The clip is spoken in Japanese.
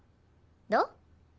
どう？